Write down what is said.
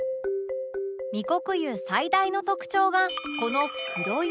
御谷湯最大の特徴がこの黒湯